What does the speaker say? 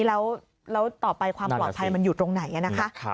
แล้วต่อไปความปลอดภัยมันอยู่ตรงไหนนะคะ